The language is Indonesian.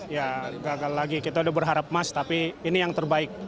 ya gagal lagi kita udah berharap emas tapi ini yang terbaik